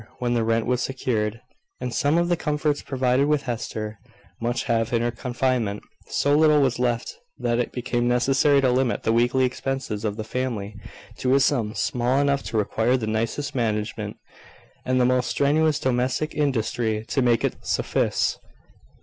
When the rent was secured, and some of the comforts provided which Hester must have in her confinement, so little was left that it became necessary to limit the weekly expenses of the family to a sum small enough to require the nicest management, and the most strenuous domestic industry, to make it suffice.